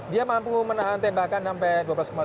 dia mampu menahan tembakan sampai dua belas meter